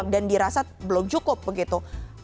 dan dirasa belum cukup begitu